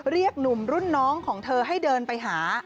เรียกหนุ่มรุ่นน้องของเธอให้เดินไปหา